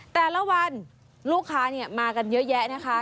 แต่ละวันลูกค้ามากันเยอะแยะนะคะ